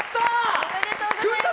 ありがとうございます！